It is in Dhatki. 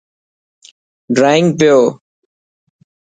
ڊرانگ پيو.